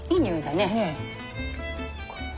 ねえ。